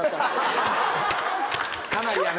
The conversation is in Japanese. かなりやね。